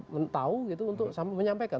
mengetahui gitu untuk menyampaikan